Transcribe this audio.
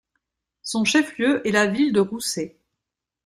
Son chef-lieu est la ville de Roussé.